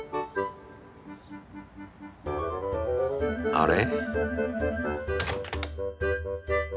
あれ？